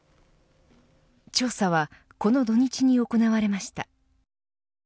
調査はこの土日に行われました。